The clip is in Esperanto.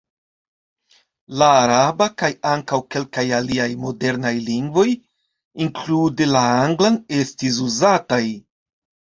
La araba kaj ankaŭ kelkaj aliaj modernaj lingvoj (inklude la anglan) estis uzataj.